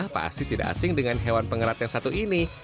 pasti tidak asing dengan hewan pengerat yang satu ini